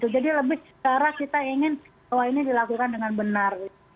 jadi lebih secara kita ingin kalau ini dilakukan dengan benar